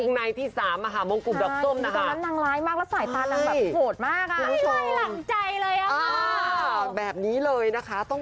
ฮุกในที่สามอ่ะค่ะมงกลุ่มดอกส้มนะคะตรงนั้นนางร้ายมากแล้วสายตาหลังแบบโกรธมากอ่ะ